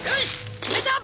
決めた！